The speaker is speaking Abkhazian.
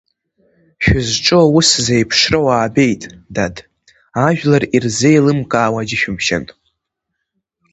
Шәызҿу аус зеиԥшроу аабеит, дад, ажәлар ирзеилымкаауа џьышәымшьан.